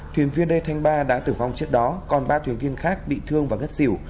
thuyền viên đê thanh ba đã tử vong trước đó còn ba thuyền viên khác bị thương và ngất xỉu